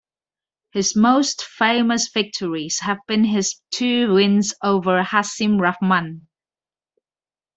His most famous victories have been his two wins over Hasim Rahman.